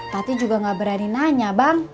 tapi juga gak berani nanya bang